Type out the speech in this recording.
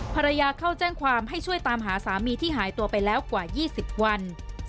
ภรรยาเข้าแจ้งความให้ช่วยตามหาสามีที่หายตัวไปแล้วกว่า๒๐วัน